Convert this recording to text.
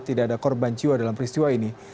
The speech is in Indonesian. tidak ada korban jiwa dalam peristiwa ini